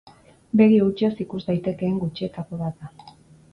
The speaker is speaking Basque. Begi hutsez ikus daitekeen gutxietako bat da.